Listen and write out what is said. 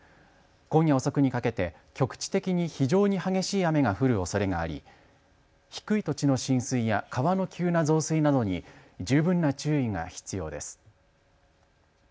今夜遅くにかけて局地的に非常に激しい雨が降るおそれがあり低い土地の浸水や川の急な増水などに十分な注意が必要です。